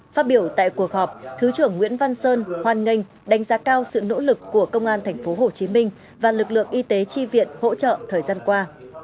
phát biểu tại cuộc họp thứ trưởng nguyễn văn sơn hoan nghênh đánh giá cao sự nỗ lực của công an tp hcm và lực lượng y tế tri viện hỗ trợ thời gian qua